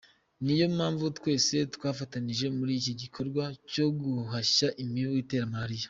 Ni yo mpamvu twese twafatanije muri iki gikorwa cyo guhashya imibu itera malariya”.